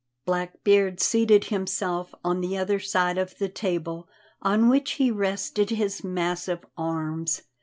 Blackbeard seated himself on the other side of the table, on which he rested his massive arms.